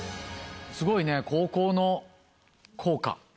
すごいね高校の校歌。